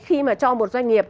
khi mà cho một doanh nghiệp